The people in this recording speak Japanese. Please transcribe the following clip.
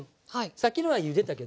さっきのはゆでたけど。